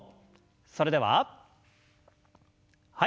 それでははい。